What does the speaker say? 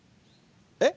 えっ！？